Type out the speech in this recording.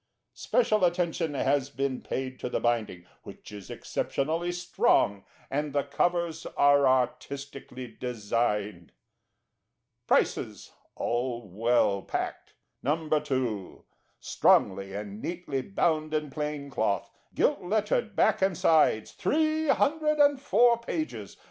Special attention has been paid to the binding, which is exceptionally strong, and the covers are artistically designed. PRICES (all well Packed). No. 2. Strongly and neatly bound in Plain Cloth, gilt lettered back and sides, 304 pages.